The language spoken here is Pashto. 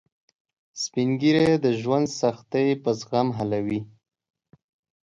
سپین ږیری د ژوند سختۍ په زغم حلوي